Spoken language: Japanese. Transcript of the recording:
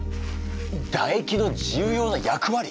だ液の重要な役割？